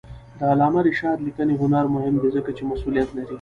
د علامه رشاد لیکنی هنر مهم دی ځکه چې مسئولیت لري.